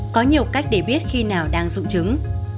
có nhiều cách để biết khi nào đang dung trứng